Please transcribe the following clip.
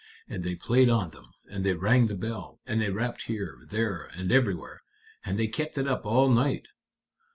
And they played on them, and they rang the bell, and they rapped here, there, and everywhere. And they kept it up all night."